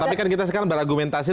tapi kan kita sekarang berargumentasi